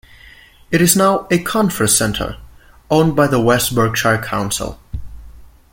It is now a conference centre owned by West Berkshire Council.